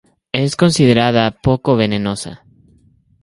Es considerada poco venenosa.